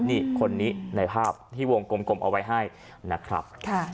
นี่คนนี้ในภาพที่วงกลมเอาไว้ให้นะครับ